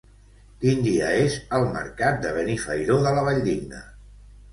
Quin dia és el mercat de Benifairó de la Valldigna?